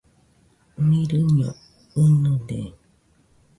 Mirɨño ɨnɨde.